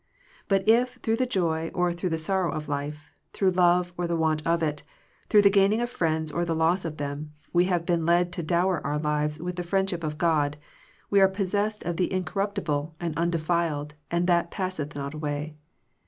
But if through the joy or through the sorrow of life, through love or the want of it, through the gaining of friends or the loss of them, we have been led to dower our lives with the friendship of God, we are possessed of the incorrupti ble, and undefiled and that passeth not away.